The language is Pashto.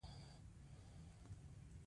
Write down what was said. زه د کندهار اوسيدونکي يم.